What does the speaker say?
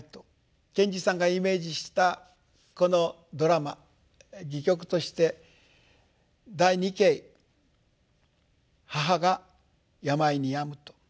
賢治さんがイメージしたこのドラマ戯曲として第二景母が病にやむと。